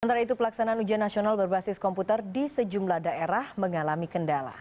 sementara itu pelaksanaan ujian nasional berbasis komputer di sejumlah daerah mengalami kendala